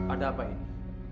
ada apa ini